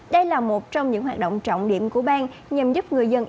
đây là một trong những hoạt động trọng điểm của bang nhằm giúp người dân